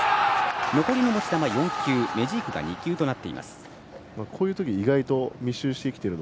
残りの持ち球、４球メジークが２球となっています。